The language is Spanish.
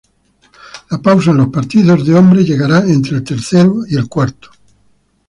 La pausa en los partidos de hombres llegará entre el tercer y cuarto.